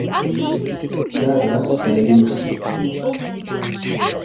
Kara Saliĥ.